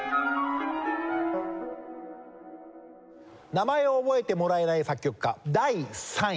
名前を覚えてもらえない作曲家第３位。